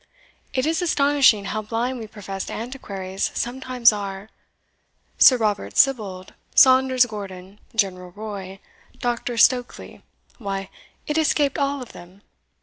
It is astonishing how blind we professed antiquaries sometimes are! Sir Robert Sibbald, Saunders Gordon, General Roy, Dr. Stokely, why, it escaped all of them.